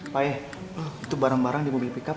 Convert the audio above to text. pak eh itu barang barang di mobil pickup